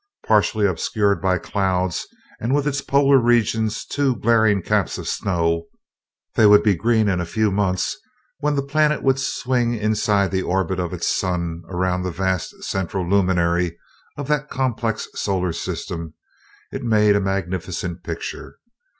Partially obscured by clouds and with its polar regions two glaring caps of snow they would be green in a few months, when the planet would swing inside the orbit of its sun around the vast central luminary of that complex solar system it made a magnificent picture.